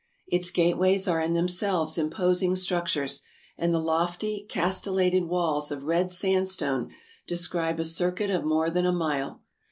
Its gateways are in them selves imposing structures, and the lofty castellated walls of red sandstone describe a circuit of more than a mile.